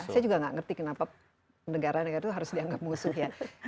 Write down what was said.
saya juga nggak ngerti kenapa negara negara itu harus dianggap musuh ya